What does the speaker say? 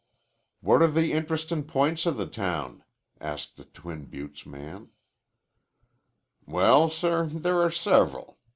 "What are the interestin' points of the town?" asked the Twin Buttes man. "Well, sir, there are several.